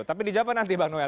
tapi dijawabkan nanti bang noel